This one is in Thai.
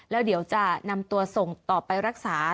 แล้วเดี๋ยวจะนำตัวส่งต่อไปรักษา